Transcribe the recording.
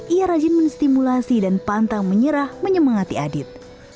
ia rajin menstimulasi dan pantang menyerah menyemangati adit